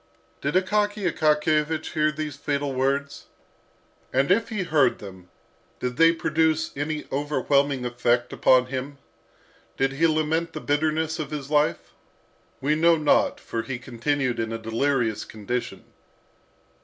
Did Akaky Akakiyevich hear these fatal words? And if he heard them, did they produce any overwhelming effect upon him? Did he lament the bitterness of his life? We know not, for he continued in a delirious condition.